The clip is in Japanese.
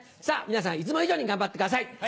さあ、皆さん、いつも以上に頑張ってください。